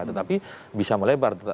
tetapi bisa melebar